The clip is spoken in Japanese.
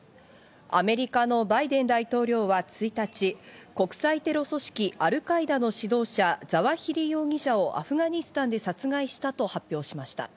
アメリカのバイデン大統領は１日、国際テロ組織アルカイダの指導者・ザワヒリ容疑者をアフガニスタンで殺害したと発表しました。